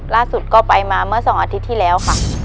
ล่าสุดก็ไปมาเมื่อ๒อาทิตย์ที่แล้วค่ะ